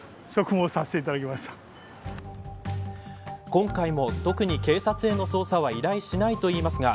今回も特に警察への捜査は依頼しないといいますが